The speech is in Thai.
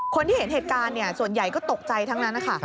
คนที่เห็นเหตุการณ์ส่วนใหญ่ก็ตกใจทั้งนั้นนะคะ